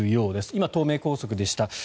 今、東名高速でした。